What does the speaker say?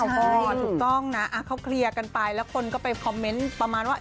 ก็ถูกต้องนะเขาเคลียร์กันไปแล้วคนก็ไปคอมเมนต์ประมาณว่า